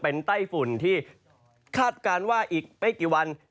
เป็นไต้ฝุ่นที่คาดการณ์ว่าอีกไม่กี่วัน